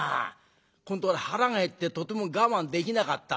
ここんところ腹が減ってとても我慢できなかったんだよ。